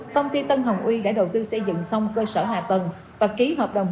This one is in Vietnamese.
công ty tân hồng uy đã đầu tư xây dựng xong cơ sở hạ tầng và ký hợp đồng